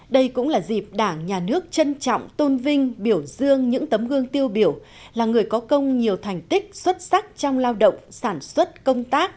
đây cũng là dịp đảng nhà nước trân trọng tôn vinh biểu dương những tấm gương tiêu biểu là người có công nhiều thành tích xuất sắc trong lao động sản xuất công tác